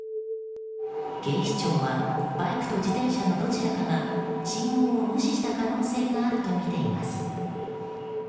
警視庁はバイクと自転車のどちらかが信号を無視した可能性があるとみています。